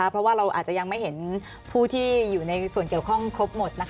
เพราะว่าเราอาจจะยังไม่เห็นผู้ที่อยู่ในส่วนเกี่ยวข้องครบหมด